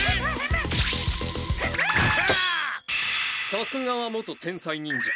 さすがは元天才忍者。